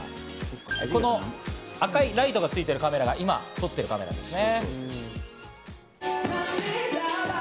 この赤いライトがついているカメラが今撮っているカメラですね。